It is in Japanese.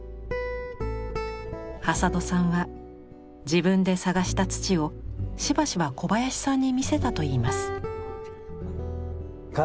挾土さんは自分で探した土をしばしば小林さんに見せたといいます。